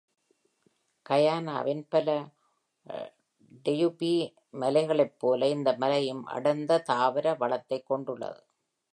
கயானாவின் பல டெபுயி மலைகளைப் போல, இந்த மலையும் அடர்ந்த தாவர வளத்தை கொண்டுள்ளது.